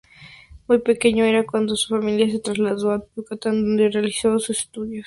Muy pequeño era cuando su familia se trasladó a Yucatán, donde realizó sus estudios.